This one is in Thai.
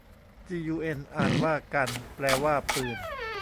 จียูเอ็น อ่านว่ากัน แปลว่าปืน